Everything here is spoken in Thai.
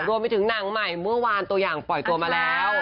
รวมไปถึงหนังใหม่เมื่อวานตัวอย่างปล่อยตัวมาแล้ว